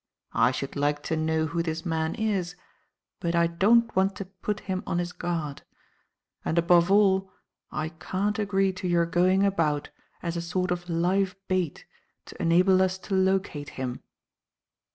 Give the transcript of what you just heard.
I should like to know who this man is, but I don't want to put him on his guard; and above all, I can't agree to your going about as a sort of live bait to enable us to locate him.